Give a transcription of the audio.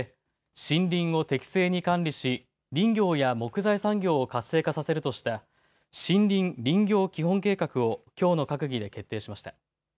森林を適正に管理し林業や木材産業を活性化させるとした森林・林業基本計画をきょうの閣議で決定しました。